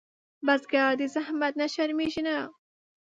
بزګر د زحمت نه شرمېږي نه